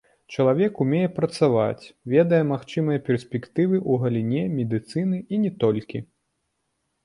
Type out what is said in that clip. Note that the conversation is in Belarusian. Чалавек умее працаваць, ведае магчымыя перспектывы ў галіне медыцыны і не толькі.